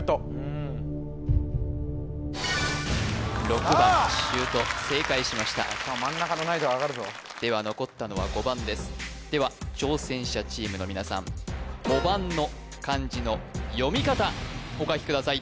６番しゅうと正解しました真ん中の難易度上がるぞでは残ったのは５番ですでは挑戦者チームの皆さん５番の漢字の読み方お書きください